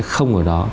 không ở đó